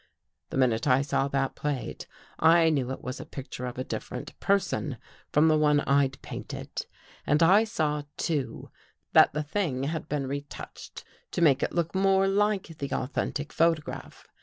" The minute I saw that plate, I knew it was a picture of a different person from the one Td painted. And I saw, too, that the thing had been retouched to make it look more like the authentic photograph.